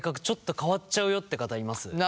ちょっと変わっちゃうよって方います？